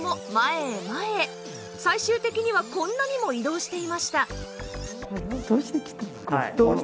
最終的にはこんなにも移動していました